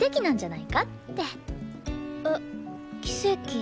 えっ奇跡？